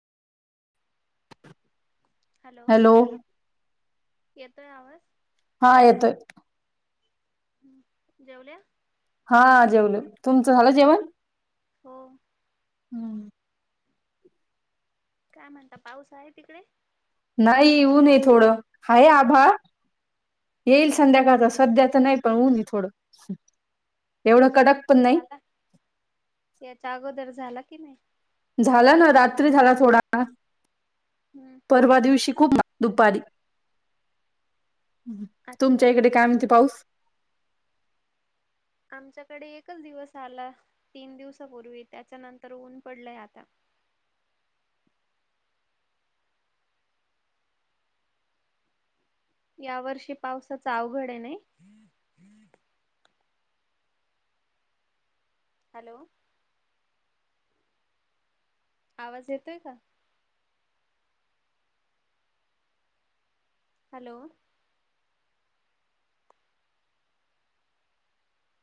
Hello. येतोय आवाज.? हा येतोयं. जेवल्या.? हा जेवलो. तुमचं झालं जेवण? हो. हम्म. काय म्हणता पाऊस आहे तिकडे.? नाही ऊनआहे. थोडं. हाय आभाळ येईल हम्म हम्म संध्याकाळच सध्या तरं नाही. पण ऊन आहे थोडं. एवढं अच्छा कडक पण नाही झाला. याच्या अगोदर झाला कि नाही. झाला ना रात्री झाला, थोडा हम्म परवा दिवशी खूप दुपारी. तुमच्या अच्छा इकडे काय म्हणतो पाऊस? आमच्याकडे एकच दिवस आला. तीन दिवसापूर्वी त्याच्यानंतर ऊन पडलंय आता. या वर्षी पावसाच अवघड आहे नाही. हॅलो. आवाज येतोय का? हॅलो.